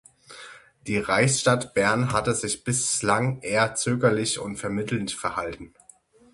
Die Reichsstadt Bern hatte sich bislang eher zögerlich und vermittelnd verhalten.